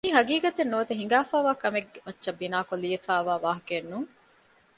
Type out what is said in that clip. މީ ހަގީގަތެއް ނުވަތަ ހިނގައިފައިވާ ކަމެއްގެ މައްޗަށް ބިނާކޮށް ލިޔެވިފައިވާ ވާހަކައެއް ނޫން